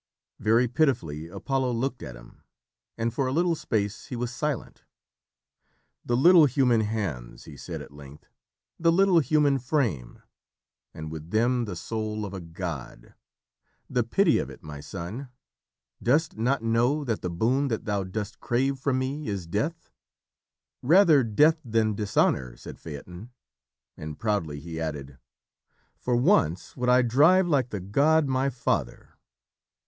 Very pitifully Apollo looked at him, and for a little space he was silent. "The little human hands," he said at length, "the little human frame! and with them the soul of a god. The pity of it, my son. Dost not know that the boon that thou dost crave from me is Death?" "Rather Death than Dishonour," said Phaeton, and proudly he added, "For once would I drive like the god, my father.